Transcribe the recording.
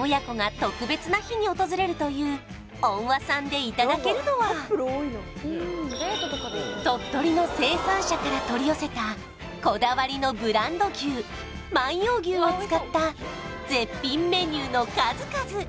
親子が特別な日に訪れるという穏和さんでいただけるのは鳥取の生産者から取り寄せたこだわりのブランド牛万葉牛を使った絶品メニューの数々！